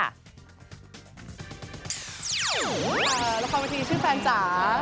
อ่าละครมาทีชื่อแฟนจ๋า